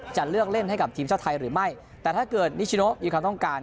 จะเลือกเล่นให้กับทีมชาติไทยหรือไม่แต่ถ้าเกิดนิชโนมีความต้องการ